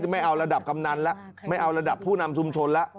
ไม่เอาระดับกำนันแล้วไม่เอาระดับผู้นำชุมชนแล้ว